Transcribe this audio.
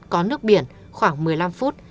có nước biển khoảng một mươi năm phút